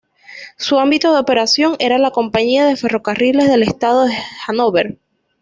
Su ámbito de operación era la compañía de ferrocarriles del estado de Hannover.